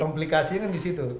komplikasi kan disitu